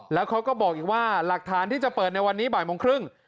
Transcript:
แล้วเขาก็บอกอีกว่าหลักฐานที่จะเปิดในวันนี้บ่ายโมงครึ่ง